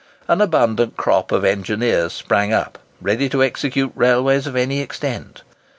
An abundant crop of engineers sprang up, ready to execute railways of any extent.